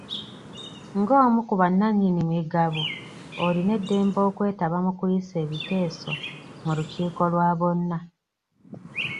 Ng'omu ku bannannyini migabo olina eddembe okwetaba mu kuyisa ebiteeso mu lukiiko lwa bonna.